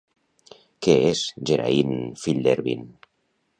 Què és "Geraint, fill d'Erbin"?